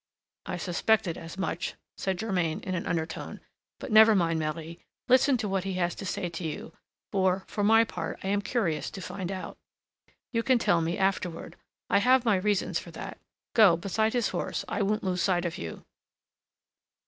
"I suspected as much," said Germain in an undertone; "but never mind, Marie, listen to what he has to say to you for, for my part, I am curious to find out. You can tell me afterward: I have my reasons for that. Go beside his horse I won't lose sight of you."